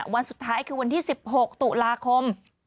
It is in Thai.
วันสุดท้ายคือวันที่๑๖ตุลาคม